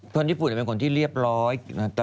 คนญี่ปุ่นเป็นคนที่เรียบร้อย